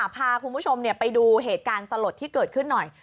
พาคุณผู้ชมไปดูเหตุการณ์สลดที่เกิดขึ้นหน่อย